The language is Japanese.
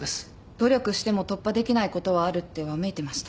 「努力しても突破できないことはある」ってわめいてました。